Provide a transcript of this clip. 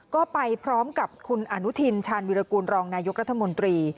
ก็ไปพร้อมกับคุณอนุทินชาญวิรากูลรองนายกรัฐมนตรี